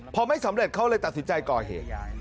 พอไม่สำเร็จเขาเลยตัดสินใจก่อเหตุ